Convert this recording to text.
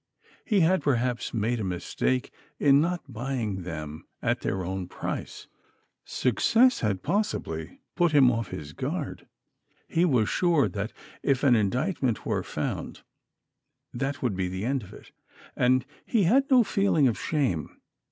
He had perhaps made a mistake in not buying them at their own price. Success had possibly put him off his guard. He was sure that if an indictment were found, that would be the end of it, and he had no feeling of shame.